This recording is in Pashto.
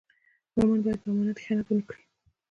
مومن باید په امانت کې خیانت و نه کړي.